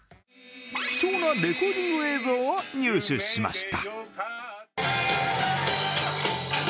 貴重なレコーディング映像を入手しました。